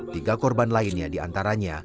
tiga korban lainnya diantaranya